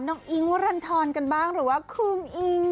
น้องอิ๊งวัลลันธรรมกันบ้างหรือว่าคืมอิ๊ง